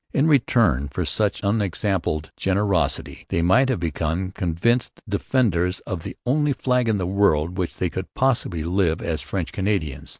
In return for such unexampled generosity they might have become convinced defenders of the only flag in the world under which they could possibly live as French Canadians.